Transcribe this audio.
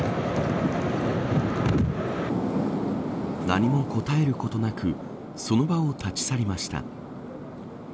何も答えることなくその場を立ち去りました。